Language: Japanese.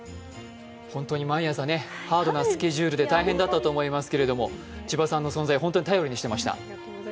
本当に毎朝ハードなスケジュールで大変だったと思いますけど、千葉さんの存在、本当に頼りにしていました。